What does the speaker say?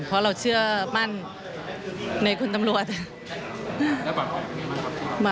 เพราะเราเชื่อมั่นในคุณตำรวจ